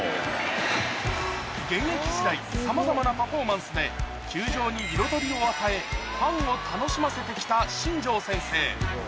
現役時代さまざまなパフォーマンスで球場に彩りを与えファンを楽しませて来た新庄先生